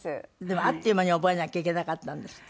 でもあっという間に覚えなきゃいけなかったんですって？